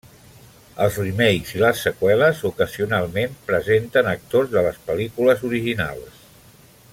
Els remakes i les seqüeles ocasionalment presenten actors de les pel·lícules originals.